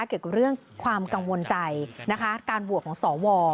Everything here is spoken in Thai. เกี่ยวกับเรื่องความกังวลใจนะคะการโหวตของสว